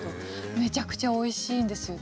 めちゃくちゃおいしいんです。